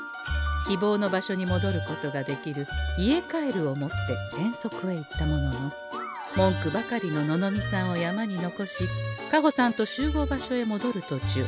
希望の場所にもどることができる「家カエル」を持って遠足へ行ったものの文句ばかりのののみさんを山に残し香穂さんと集合場所へもどるとちゅう